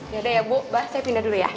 ya udah ya bu bah saya pindah dulu ya